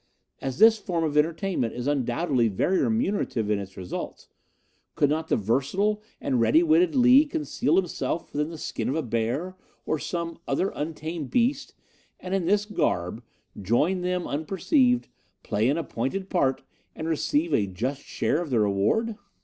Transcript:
As this form of entertainment is undoubtedly very remunerative in its results, could not the versatile and ready witted Lee conceal himself within the skin of a bear, or some other untamed beast, and in this garb, joining them unperceived, play an appointed part and receive a just share of the reward?